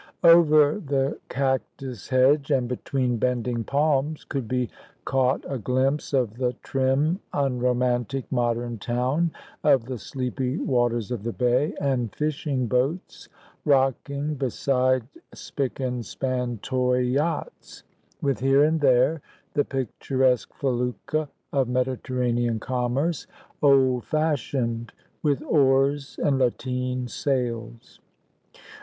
Over the cactus hedge, and between bending palms, could be caught a glimpse of the trim, unromantic modern town, of the sleepy waters of the bay, and fishing boats rocking beside spick and span toy yachts, with here and there the picturesque felucca of Mediterranean commerce, old fashioned, with oars and lateen sails.